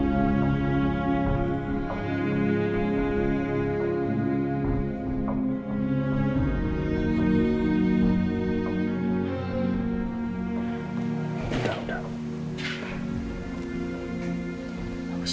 karena rena adalah putriku